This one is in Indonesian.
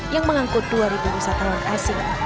yang mengangkut dua wisata luar asing